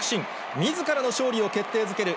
みずからの勝利を決定づける